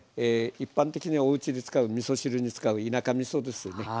一般的におうちで使うみそ汁に使う田舎みそですよね。